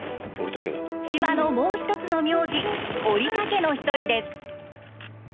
島のもう一つの名字オリタ家の一人です。